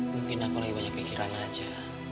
mungkin aku lebih banyak pikiran aja